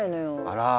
あら。